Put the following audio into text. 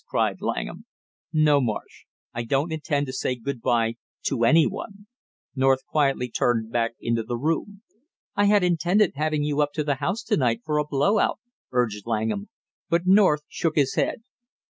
cried Langham. "No, Marsh, I don't intend to say good by to any one!" North quietly turned back into the room. "I had intended having you up to the house to night for a blow out," urged Langham, but North shook his head.